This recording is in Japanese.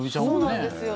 そうなんですよ。